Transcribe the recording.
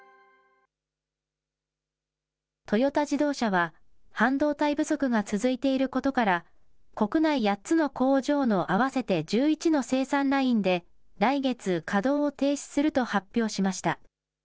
トヨタ自動車は、半導体不足が続いていることから、国内８つの工場の合わせて１１の生産ラインで、来月、稼働を停止すると発表しました。